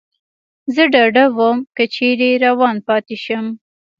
زه ډاډه ووم، که چېرې روان پاتې شم.